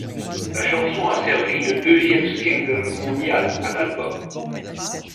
La chanson a servi de deuxième single mondial à l'album.